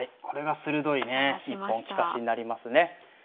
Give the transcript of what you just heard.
これが鋭いね一本利かしになりますね。